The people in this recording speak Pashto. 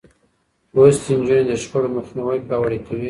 لوستې نجونې د شخړو مخنيوی پياوړی کوي.